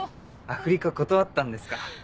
アフリカ断ったんですか。